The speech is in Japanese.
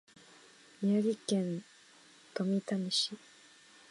宮城県富谷市